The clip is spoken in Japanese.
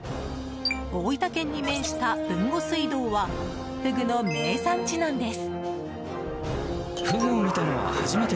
大分県に面した豊後水道はフグの名産地なんです。